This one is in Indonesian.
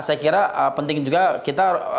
saya kira penting juga kita